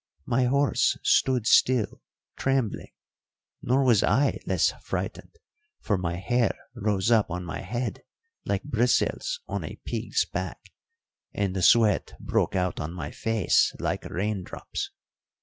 My horse stood still trembling; nor was I less frightened, for my hair rose up on my head like bristles on a pig's back; and the sweat broke out on my face like raindrops.